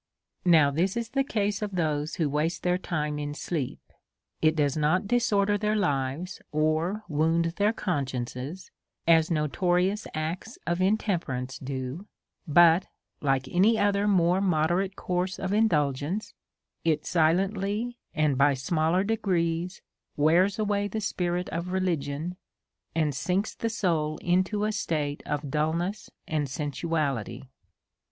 Now, this is the case of those who waste their time in sleep ; it does not disorder their lives, or wound their consciences, as notorious acts of intemperance do; but, like any other more moderate course of in dulgence, it silently, and by smaller degrees, wears away the spirit of religion, and sinks the soul into a state of dulness and sensuality.